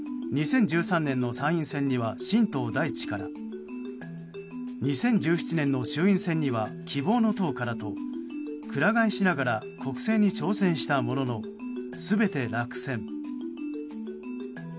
２０１３年の参院選には新党大地から２０１７年の衆院選には希望の党からと鞍替えしながら国政に挑戦したものの全て落選。